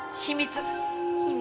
秘密。